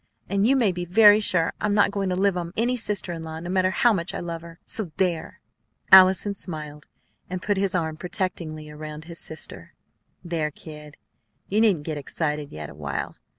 And you may be very sure I'm not going to live on any sister in law, no matter how much I love her, so there!" Allison smiled, and put his arm protectingly around his sister. "There, kid, you needn't get excited yet awhile.